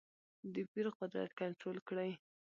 د پیر قدرت کنټرول کړې.